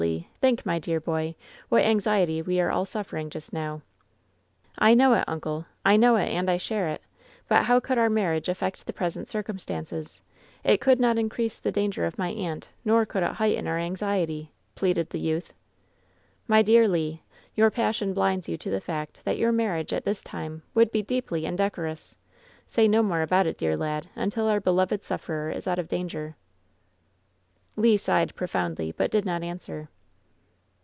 Lei Think, my dear boy, what anx iety we are all suffering just now !" "I know it, uncle! I know it, and I share it! But how could our marriage affect the present circumstances? It could not increase the danger of my aunt, nor could it heighten our anxiety," pleaded the youth. "My dear Le, your passion blinds you to the fact that your marriage at this time would be deeply indecorous! Say no more about it, dear lad, until our beloved sufferer is out of danger." Le sighed profoimdly, but did not answer.